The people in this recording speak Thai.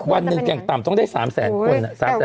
วันหนึ่งแก่งต่ำต้องได้๓แสนคน